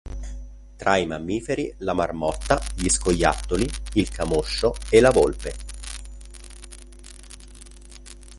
Tra i mammiferi, la marmotta, gli scoiattoli, il camoscio e la volpe.